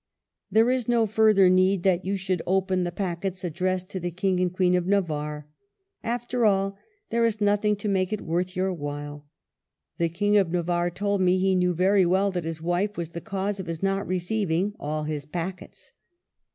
... There is no further need that you should open the packets addressed to the King and Queen of Navarre. After all, there is nothing to make it worth your while. The King of Navarre told me he knew very well that his wife was the cause of his not receiving all his packets."